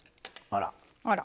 あら。